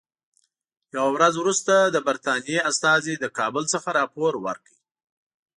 یوه ورځ وروسته د برټانیې استازي له کابل څخه راپور ورکړ.